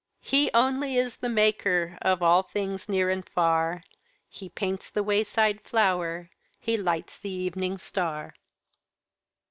"He only is the Maker Of all things near and far; He paints the wayside flower, He lights the evening star."